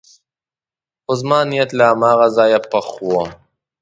خو زما نیت له هماغه ځایه پخ و.